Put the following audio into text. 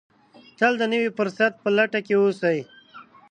تل د نوي فرصت په لټه کې اوسئ.